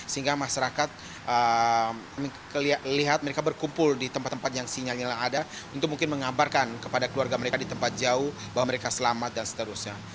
sehingga masyarakat melihat mereka berkumpul di tempat tempat yang sinyalnya ada untuk mungkin mengabarkan kepada keluarga mereka di tempat jauh bahwa mereka selamat dan seterusnya